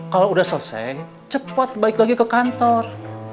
kalau udah selesai cepat balik lagi ke kantor